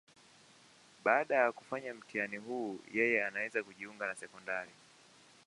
Baada ya kufanya mtihani huu, yeye anaweza kujiunga na sekondari.